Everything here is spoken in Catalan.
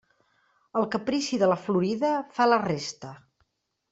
El caprici de la florida fa la resta.